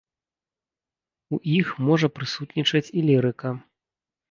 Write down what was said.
У іх можа прысутнічаць і лірыка.